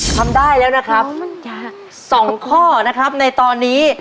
ทำได้แล้วนะครับสองข้อนะครับในตอนนี้